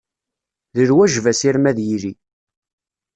D lwaǧeb asirem ad yili